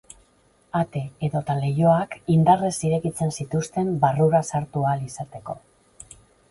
Ate edota leihoak indarrez irekitzen zituzten barrura sartu ahal izateko.